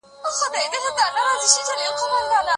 د ماشوم د تبه بدلون ياداښت کړئ.